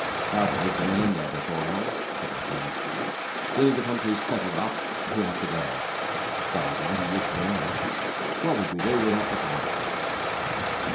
"The cow boy's goin' under before long," said my friend. "Soon as the country's settled up he'll have to go. But he's mighty useful now. What would we do without the cow boy?"